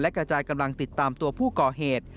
กระจายกำลังติดตามตัวผู้ก่อเหตุ